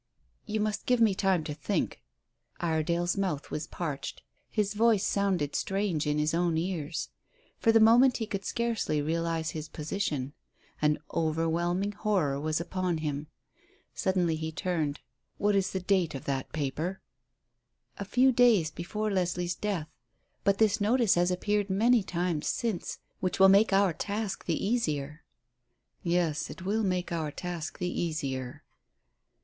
"You must give me time to think." Iredale's mouth was parched. His voice sounded strange in his own ears. For the moment he could scarcely realize his position. An overwhelming horror was upon him. Suddenly he turned. "What is the date of that paper?" "A few days before Leslie's death. But this notice has appeared many times since which will make our task the easier." "Yes, it will make our task the easier."